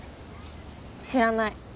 知らない。